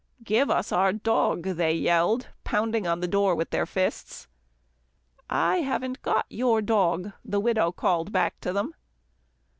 "Give us our dog," they yelled, pounding on the door with their fists. "I haven't got your dog," the widow called back to them.